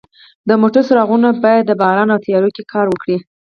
د موټرو څراغونه باید د باران او تیارو کې کار وکړي.